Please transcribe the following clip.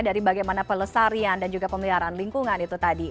dari bagaimana pelestarian dan juga pemeliharaan lingkungan itu tadi